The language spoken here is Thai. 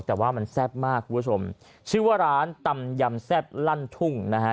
แต่ว่ามันแซ่บมากคุณผู้ชมชื่อว่าร้านตำยำแซ่บลั่นทุ่งนะฮะ